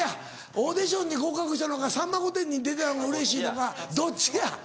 オーディションに合格したのか『さんま御殿‼』に出たのがうれしいのかどっちや！